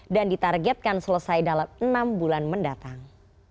dan ditargetkan selesai dalam enam bulan mendatang